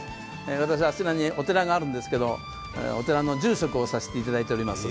あちらにお寺があるんですけど、お寺の住職をさせていただいています。